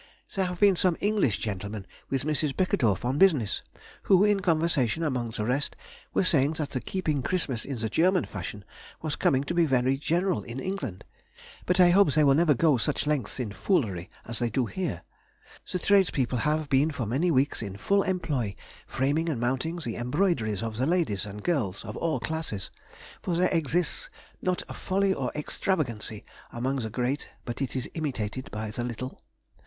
There have been some English gentlemen with Mrs. Beckedorff on business, who, in conversation, among the rest, were saying that the keeping Christmas in the German fashion was coming to be very general in England; but I hope they will never go such lengths in foolery as they do here. The tradespeople have been for many weeks in full employ framing and mounting the embroideries of the ladies and girls of all classes, for there exists not a folly or extravagancy among the great but it is imitated by the little.